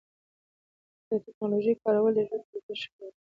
د ټکنالوژۍ کارول د ژوند کیفیت ښه کوي.